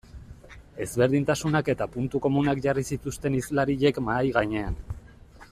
Ezberdintasunak eta puntu komunak jarri zituzten hizlariek mahai gainean.